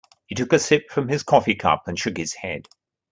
He took a sip from his coffee cup and shook his head.